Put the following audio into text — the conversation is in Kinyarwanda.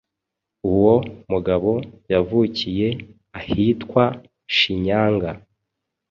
Uwo mugaboYavukiye ahitwa Shinyanga